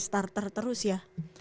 starter terus ya